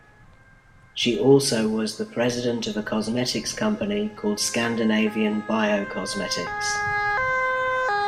She also was the president of a cosmetics company called Scandinavian Biocosmetics.